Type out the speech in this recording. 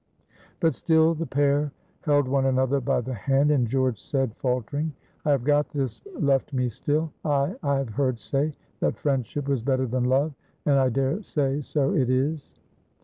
But still the pair held one another by the hand, and George said, faltering: "I have got this left me still. Ay, I have heard say that friendship was better than love, and I dare say so it is."